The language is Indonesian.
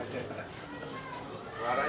suaranya keren ya